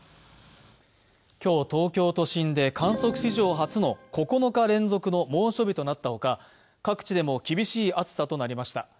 今日、東京都心で観測史上初の９日連続の猛暑日となったほか各地でも厳しい暑さとなりました。